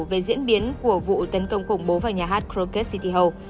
về diễn biến của vụ tấn công khủng bố vào nhà hát kroket city hall